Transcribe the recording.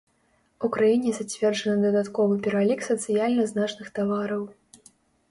У краіне зацверджаны дадатковы пералік сацыяльна значных тавараў.